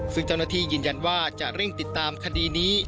ซึ่งเจ้าหน้าที่ยืนยันว่าจะเร่งติดตามคดีนี้